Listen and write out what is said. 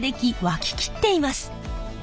沸き切っています。